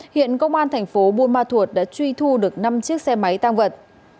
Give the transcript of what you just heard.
hiện công an thành phố buôn ma thuột đã truy thu được năm chiếc xe máy tăng vật